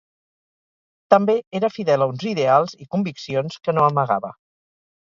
També era fidel a uns ideals i conviccions que no amagava.